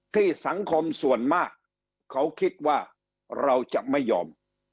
ที่สังคมส่วนมากเขาคิดว่าเราจะไม่ยอม